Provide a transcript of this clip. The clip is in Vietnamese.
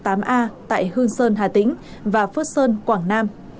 tại hương sơn hà tĩnh và phước sơn quảng nam